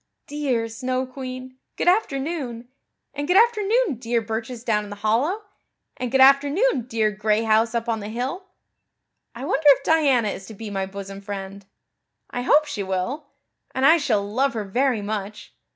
"Dear Snow Queen, good afternoon. And good afternoon dear birches down in the hollow. And good afternoon, dear gray house up on the hill. I wonder if Diana is to be my bosom friend. I hope she will, and I shall love her very much.